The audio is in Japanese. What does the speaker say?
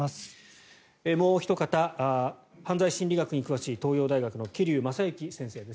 もうおひと方犯罪心理学に詳しい東洋大学教授の桐生正幸教授です。